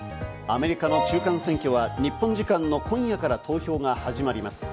アメリカの中間選挙は日本時間の今夜から投票が始まります。